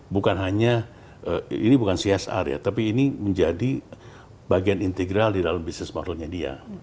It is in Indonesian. bukan hanya ini bukan csr ya tapi ini menjadi bagian integral di dalam bisnis modelnya dia